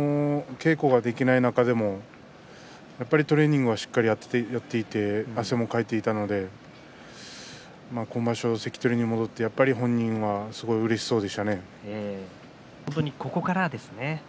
けがをして稽古ができない中でもやっぱりトレーニングしっかりやっていて汗もかいていたので今場所関取に戻って、やっぱりここからですね。